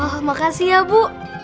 wah makasih ya bu